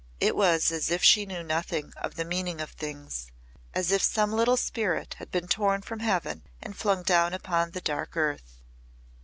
It was as if she knew nothing of the meaning of things as if some little spirit had been torn from heaven and flung down upon the dark earth.